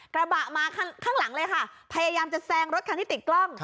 กระบะมาข้างหลังเลยค่ะพยายามจะแซงรถคันที่ติดกล้อง